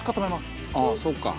ああそうか。